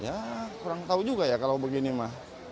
ya kurang tahu juga ya kalau begini mah